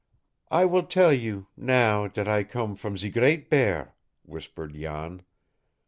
"I will tell you, now, that I come from ze Great Bear," whispered Jan.